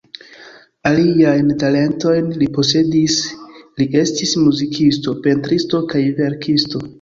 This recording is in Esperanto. Aliajn talentojn li posedis: li estis muzikisto, pentristo kaj verkisto.